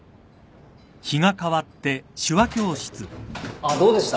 あっどうでした？